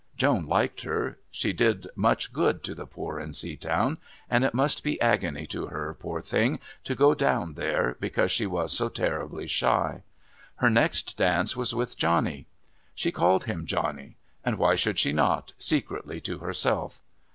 Joan liked her. She did much good to the poor in Seatown, and it must be agony to her, poor thing, to go down there, because she was so terribly shy. Her next dance was with Johnny. She called him Johnny. And why should she not, secretly to herself?